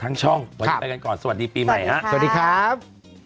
ช่องวันนี้ไปกันก่อนสวัสดีปีใหม่ฮะสวัสดีครับ